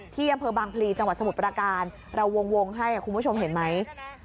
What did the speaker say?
ที่อำเภอบางพลีจังหวัดสมุทรประการเราวงให้คุณผู้ชมเห็นไหม